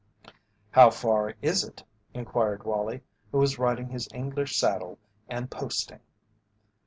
"How far is it?" inquired Wallie, who was riding his English saddle and "posting."